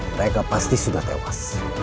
mereka pasti sudah tewas